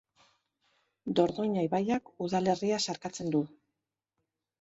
Dordoina ibaiak udalerria zeharkatzen du.